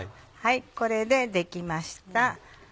これでできました。